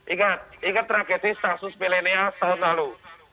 ingat ingat tragedi stasus milenial tahun lalu